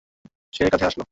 আলো তাপ উৎপন্ন করতে পারে।